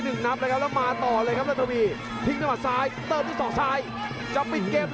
โอ้แต่เฮียวดำนั้นพยายามจะสวนด้วยส่องซ้ายเลยครับ